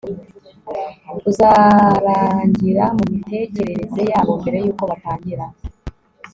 uzarangira mumitekerereze yabo mbere yuko batangira